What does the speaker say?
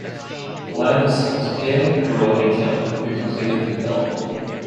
The land was sold to Hare, Brewer, and Kelley, who completed the development.